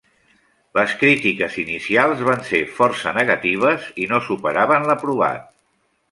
Les crítiques inicials van ser força negatives i no superaven l'aprovat.